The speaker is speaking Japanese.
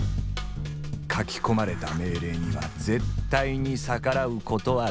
書き込まれた命令には絶対に逆らうことはできない。